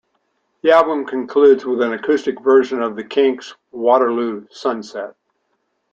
The album concludes with an acoustic version of The Kinks' "Waterloo Sunset".